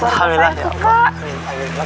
supaya mustahak bisa liat senyum bapak lagi